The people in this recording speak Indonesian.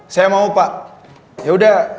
saya mau pak ya udah